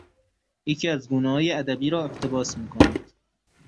یکی از گونه های ادبی را اقتباس می کند